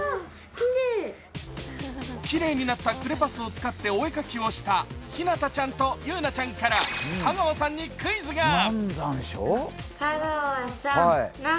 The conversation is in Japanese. きれいになってクレパスを使ってお絵描きをしたひなたちゃんと、ゆうなちゃんから香川さんにクイズが。